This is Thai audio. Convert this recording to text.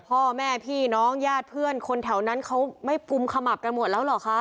พ่อแม่พี่น้องญาติเพื่อนคนแถวนั้นเขาไม่กุมขมับกันหมดแล้วเหรอคะ